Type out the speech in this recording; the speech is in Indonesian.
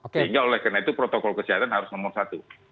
sehingga oleh karena itu protokol kesehatan harus nomor satu